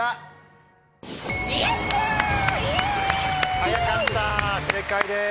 早かった正解です。